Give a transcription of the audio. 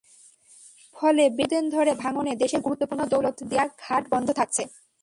ফলে বেশ কিছুদিন ধরে ভাঙনে দেশের গুরুত্বপূর্ণ দৌলতদিয়া ঘাট বন্ধ থাকছে।